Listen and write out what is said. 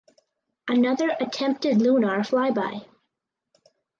Another attempted Lunar flyby.